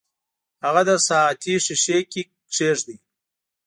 هغه د ساعتي ښيښې کې کیږدئ.